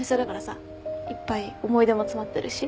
いっぱい思い出も詰まってるし。